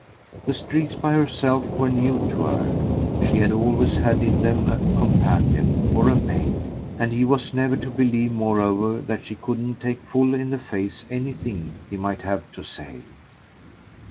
The streets by herself were new to her she had always had in them a companion or a maid; and he was never to believe moreover that she couldn't take full in the face anything he might have to say.